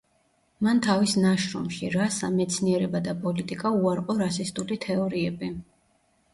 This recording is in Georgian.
მან თავის ნაშრომში „რასა: მეცნიერება და პოლიტიკა“ უარყო რასისტული თეორიები.